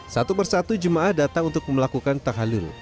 satu persatu jemaah datang untuk melakukan tahalul